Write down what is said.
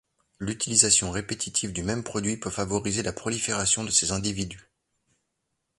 L’utilisation répétitive du même produit peut favoriser la prolifération de ces individus.